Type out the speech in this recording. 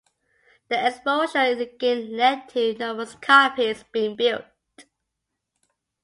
The exposure it gained led to numerous copies being built.